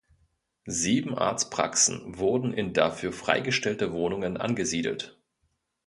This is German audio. Sieben Arztpraxen wurden in dafür freigestellte Wohnungen angesiedelt.